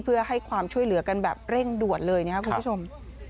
เพื่อให้ความช่วยเหลือกันแบบเร่งด่วนเลยนะครับคุณผู้ชม